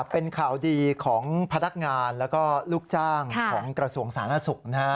เป็นข่าวดีของพนักงานแล้วก็ลูกจ้างของกระทรวงสาธารณสุขนะฮะ